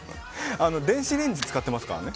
電子レンジを使ってますからね。